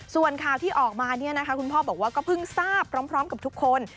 ส่วนข่าวที่ออกมาเนี่ยนะคะคุณพ่อบอกว่าก็เพิ่งทราบพร้อมกับทุกคน